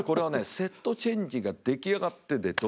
セットチェンジが出来上がってでドン！